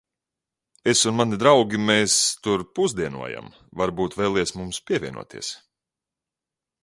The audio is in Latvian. Es un mani draugi, mēs tur pusdienojam, varbūt vēlies mums pievienoties?